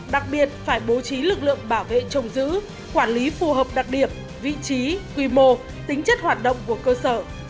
đặc biệt phải bố trí lực lượng bảo vệ trồng giữ quản lý phù hợp đặc điểm vị trí quy mô tính chất hoạt động của cơ sở